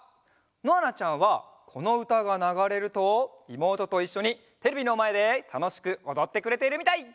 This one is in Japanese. のあなちゃんはこのうたがながれるといもうとといっしょにテレビのまえでたのしくおどってくれているみたい！